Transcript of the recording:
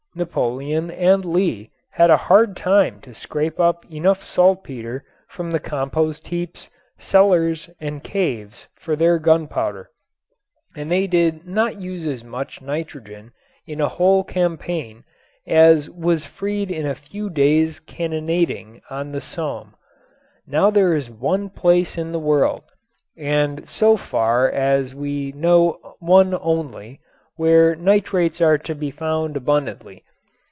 Napoleon and Lee had a hard time to scrape up enough saltpeter from the compost heaps, cellars and caves for their gunpowder, and they did not use as much nitrogen in a whole campaign as was freed in a few days' cannonading on the Somme. Now there is one place in the world and so far as we know one only where nitrates are to be found abundantly.